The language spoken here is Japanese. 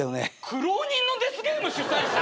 苦労人のデスゲーム主催者！？